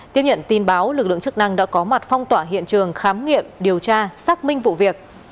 tiếp nhận tin báo lực lượng chức năng đã có mặt phong tỏa hiện trường khám nghiệm điều tra xác minh vụ việc